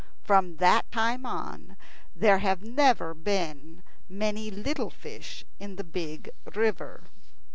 From that time on there have never been many little fish in the big river.